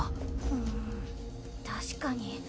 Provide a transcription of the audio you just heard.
ん確かに。